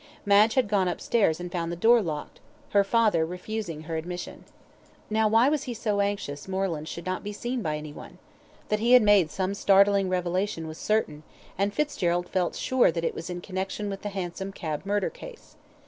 Madge had gone upstairs and found the door locked, her father refusing her admission. Now, why was he so anxious Moreland should not be seen by any one? That he had made some startling revelation was certain, and Fitzgerald felt sure that it was in connection with the hansom cab murder case.